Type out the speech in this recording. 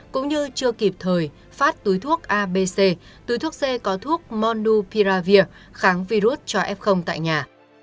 cũng như chưa kịp thời phát túi thuốc abc túi thuốc c có thuốc monupiravir kháng virus cho f tại nhà